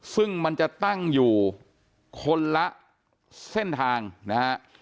ซึ่งมันจะตั้งอยู่คนละเส้นทางนะฮะ